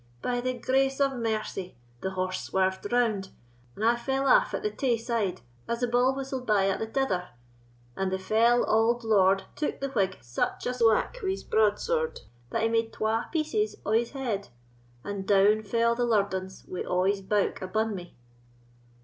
By the grace o' Mercy, the horse swarved round, and I fell aff at the tae side as the ball whistled by at the tither, and the fell auld lord took the Whig such a swauk wi' his broadsword that he made twa pieces o' his head, and down fell the lurdance wi' a' his bouk abune me."